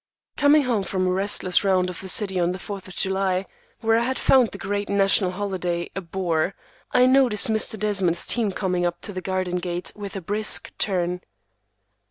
Coming home from a restless round of the city on the Fourth of July, where I had found the great national holiday a bore, I noticed Mr. Desmond's team coming up to the garden gate with a brisk turn.